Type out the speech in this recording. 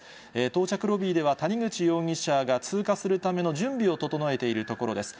到着ロビーでは、谷口容疑者が通過するための準備を整えているところです。